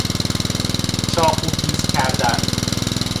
چاقو تیز کردن